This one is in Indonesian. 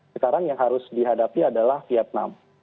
sekarang yang harus dihadapi adalah vietnam